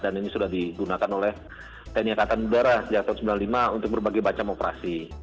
dan ini sudah digunakan oleh teknik angkatan udara sejak tahun seribu sembilan ratus sembilan puluh lima untuk berbagai macam operasi